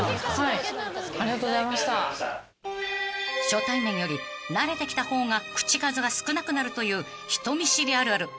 ［初対面より慣れてきた方が口数が少なくなるという人見知りあるある］